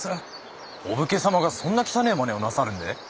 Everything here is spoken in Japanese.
お武家様がそんな汚えまねをなさるんで？